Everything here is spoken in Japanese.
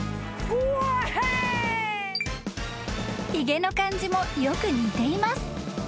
［ひげの感じもよく似ています］